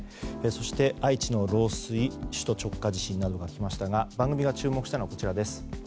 そして、愛知の漏水首都直下地震などですが番組が注目したのはこちら。